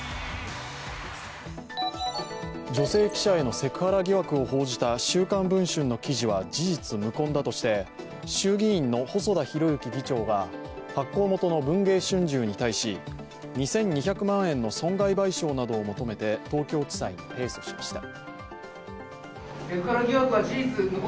女性記者へのセクハラ疑惑を報じた「週刊文春」の記事は事実無根だとして、衆議院の細田博之議長が発行元の文藝春秋に対し２２００万円の損害賠償などを求めて東京地裁に提訴しました。